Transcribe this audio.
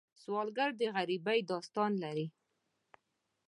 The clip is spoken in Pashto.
سوالګر د غریبۍ داستان لري